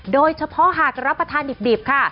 โดยเฉพาะหากรับประทานดิบค่ะ